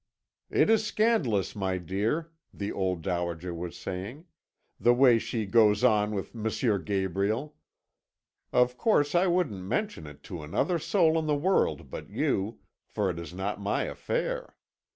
"'It is scandalous, my dear,' the old dowager was saying, 'the way she goes on with M. Gabriel. Of course, I wouldn't mention it to another soul in the world but you, for it is not my affair.